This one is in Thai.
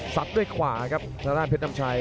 ด้วยขวาครับทางด้านเพชรน้ำชัย